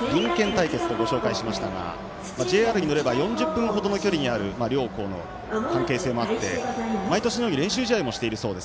隣県対決とご紹介しましたがＪＲに乗れば４０分ほどの距離にある両校の関係性もあって毎年のように練習試合もしているようです。